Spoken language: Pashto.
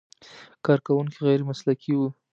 کارکوونکي غیر مسلکي و.